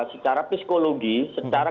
secara psikologi secara